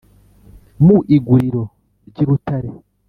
mu iguriro ry’i rutare